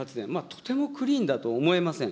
とてもクリーンだと思えません。